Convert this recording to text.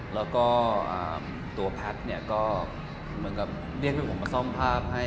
แล้วก็ตัวแพทก็เรียกให้ผมมาซ่อมภาพให้